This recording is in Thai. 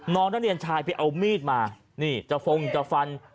น้องก็เหลือหนัวเป็นน้องชาย